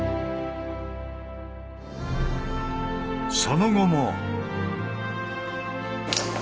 その後も。